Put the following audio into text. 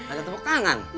ada tepuk tangan